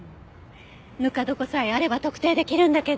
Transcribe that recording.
ぬか床さえあれば特定できるんだけど。